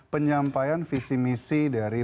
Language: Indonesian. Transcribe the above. penyampaian visi misi dari